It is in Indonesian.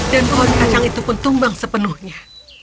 dan pohon kacang itu pun tumbang sepenuhnya